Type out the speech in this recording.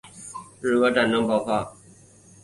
日俄战争爆发